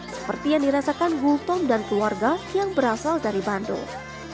seperti yang dirasakan gultom dan keluarga yang berasal dari bandung